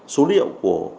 số liệu của